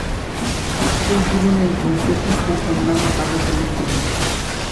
School জীবনেই ‘ধূমকেতু’ ও অন্যান্য কাগজে লিখতেন।